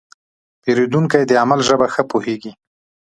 پیرودونکی د عمل ژبه ښه پوهېږي.